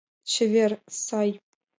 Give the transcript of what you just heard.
Чевер, сай